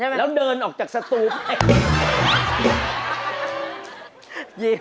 แล้วเดินออกจากสตูไป